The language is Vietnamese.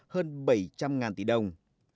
hơn bảy trăm linh tỷ đồng